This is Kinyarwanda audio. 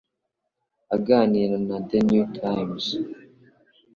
Aganira na The Newtimes,